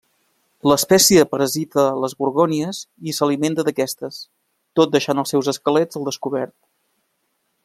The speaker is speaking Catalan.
L'espècie parasita les gorgònies i s'alimenta d'aquestes, tot deixant els seus esquelets al descobert.